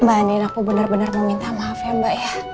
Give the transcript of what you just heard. mbak anin aku benar benar mau minta maaf ya mbak ya